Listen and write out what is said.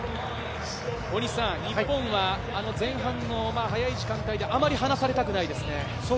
日本は前半の早い時間帯であまり離されたくないですね。